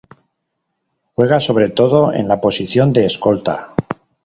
Juega sobre todo en la posición de escolta.